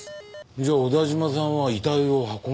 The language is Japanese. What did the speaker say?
じゃあ小田嶋さんは遺体を運んだだけ？